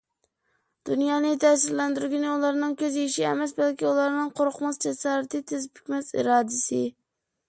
دۇنيانى تەسىرلەندۈرگىنى ئۇلارنىڭ كۆز يېشى ئەمەس، بەلكى ئۇلارنىڭ قورقماس جاسارىتى، تىز پۈكمەس ئىرادىسى.